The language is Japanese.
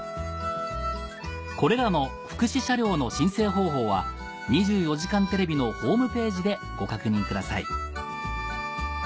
これらの福祉車両の申請方法は『２４時間テレビ』のホームページでご確認ください